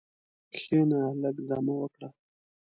کښېنه، لږ دم وکړه.